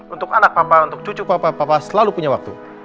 untuk anak papa untuk cucu papa selalu punya waktu